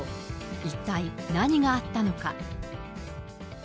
一体何があったのか。